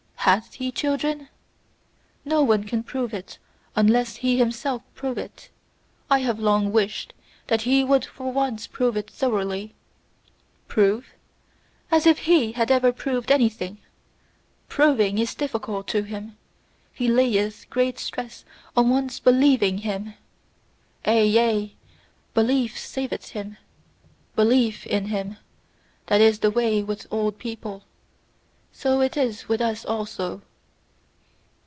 "HATH he then children? No one can prove it unless he himself prove it! I have long wished that he would for once prove it thoroughly." "Prove? As if HE had ever proved anything! Proving is difficult to him; he layeth great stress on one's BELIEVING him." "Ay! Ay! Belief saveth him; belief in him. That is the way with old people! So it is with us also!"